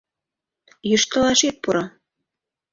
— Йӱштылаш ит пуро.